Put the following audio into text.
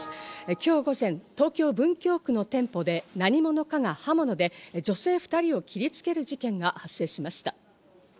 今日午前東京・文京区の店舗で何者かが刃物で女性２人を切りつける事件が発生しました。